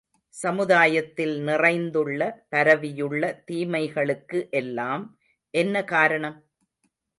சமுதாயத்தில் நிறைந்துள்ள, பரவியுள்ள தீமைகளுக்கு எல்லாம் என்ன காரணம்?